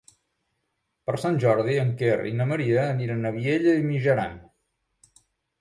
Per Sant Jordi en Quer i na Maria aniran a Vielha e Mijaran.